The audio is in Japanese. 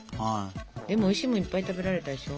でもおいしいものいっぱい食べられたでしょ。